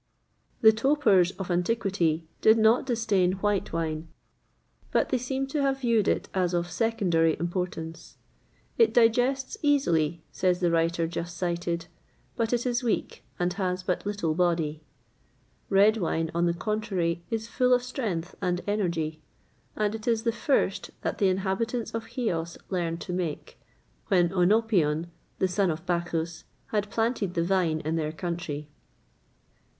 The topers of antiquity did not disdain white wine, but they seem to have viewed it as of secondary importance. It digests easily, says the writer just cited, but it is weak, and has but little body.[XXVIII 110] Red wine, on the contrary, is full of strength and energy, and it is the first that the inhabitants of Chios learned to make,[XXVIII 111] when Œnopion, the son of Bacchus, had planted the vine in their country.